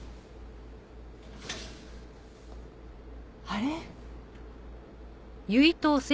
あれ？